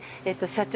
社長！